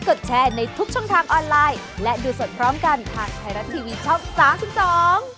โอ้โฮ